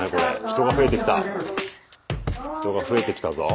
人が増えてきた人が増えてきたぞ。